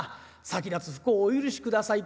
先立つ不孝をお許しください。